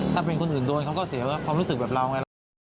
ถ้าเป็นคนอื่นโดนเขาก็เสียความรู้สึกแบบเราไงเรา